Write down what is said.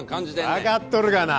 わかっとるがな！